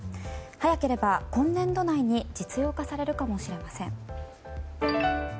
早ければ今年度内に実用化されるかもしれません。